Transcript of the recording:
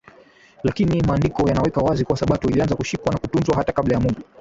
Lakini Maandiko yanaweka wazi kuwa Sabato ilianza kushikwa na kutunzwa hata kabla ya Mungu